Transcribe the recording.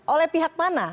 oleh pihak mana